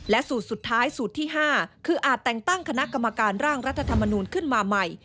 สูตรสุดท้ายสูตรที่๕คืออาจแต่งตั้งคณะกรรมการร่างรัฐธรรมนูลขึ้นมาใหม่